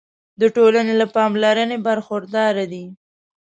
د ټولنې له پاملرنې برخورداره دي.